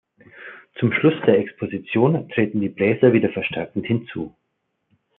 Zum Schluss der Exposition treten die Bläser wieder verstärkend hinzu.